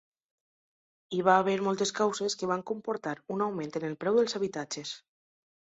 Hi va haver moltes causes que van comportar un augment en el preu dels habitatges.